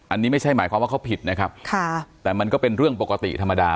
อันนี้ไม่ใช่หมายความว่าเขาผิดนะครับค่ะแต่มันก็เป็นเรื่องปกติธรรมดา